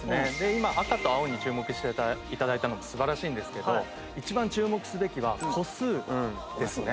今赤と青に注目して頂いたの素晴らしいんですけど一番注目すべきは個数ですよね。